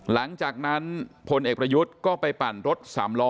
หลังจากนั้นพลเอกประยุทธ์ก็ไปปั่นรถสามล้อ